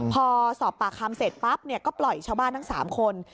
พอสอบปากคำเสร็จปั๊บก็ปล่อยชาวบ้านทั้ง๓คน